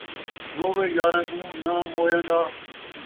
رووے یاراں کوں ، ناں موئیاں دا